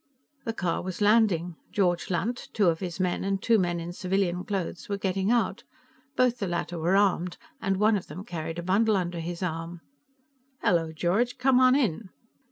The car was landing; George Lunt, two of his men and two men in civilian clothes were getting out. Both the latter were armed, and one of them carried a bundle under his arm. "Hello, George; come on in."